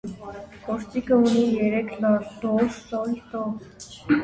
Գործիքը ունի երեք լար՝ դո, սոլ, դո։